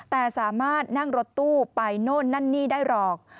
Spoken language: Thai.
แต่สามารถนั่งรถตู้ไปโน่นนั่นนี่ได้หรอก